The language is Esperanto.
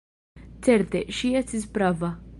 Certe, ŝi estis prava.